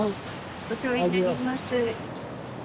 お世話になります。